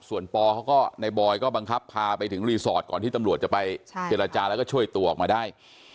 ส่วนปอเขาก็ในบอยก็บังคับพาไปถึงรีสอร์ทก่อนที่ตำรวจจะไปเจรจาแล้วก็ช่วยตัวออกมาได้